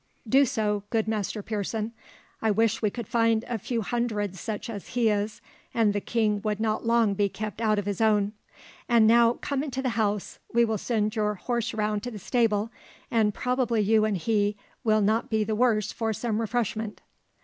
"Do so, good Master Pearson. I wish we could find a few hundreds such as he is, and the king would not long be kept out of his own. And now come into the house: we will send your horse round to the stable, and probably you and he will not be the worse for some refreshment."